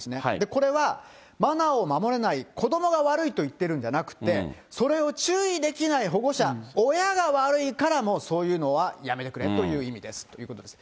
これは、マナーを守れない子どもが悪いと言ってるんじゃなくて、それを注意できない保護者、親が悪いからそういうのはやめてくれという意味ですということです。